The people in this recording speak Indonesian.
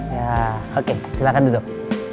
ya oke silakan duduk